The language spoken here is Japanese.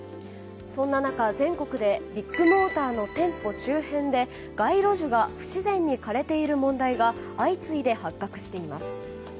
そんな中、全国でビッグモーターの店舗周辺で街路樹が不自然に枯れている問題が相次いで発覚しています。